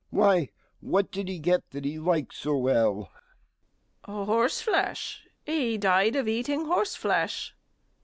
Why, what did he get that he liked so well? STEWARD. Horseflesh; he died of eating horseflesh.